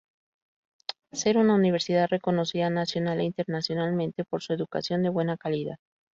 Ser una Universidad reconocida nacional e internacionalmente por su educación de buena calidad.